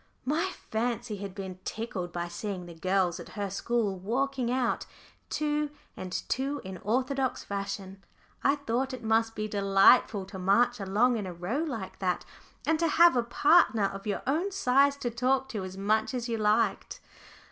My fancy had been tickled by seeing the girls at her school walking out two and two in orthodox fashion. I thought it must be delightful to march along in a row like that, and to have a partner of your own size to talk to as much as you liked.